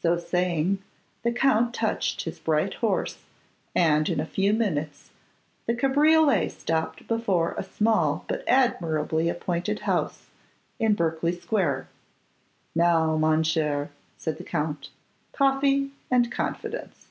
So saying, the Count touched his bright horse, and in a few minutes the cabriolet stopped before a small but admirably appointed house in Berkeley square. 'Now, mon cher,' said the Count, 'coffee and confidence.